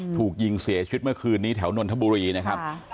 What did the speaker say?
ถูกยิงเสียชีวิตเมื่อคืนนี้แถวนนทบุรีนะครับ